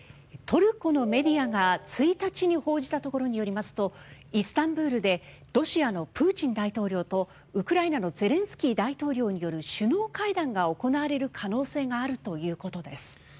トルコのメディアが１日に報じたところによりますとイスタンブールでロシアのプーチン大統領とウクライナのゼレンスキー大統領による首脳会談が行われる可能性があるということです。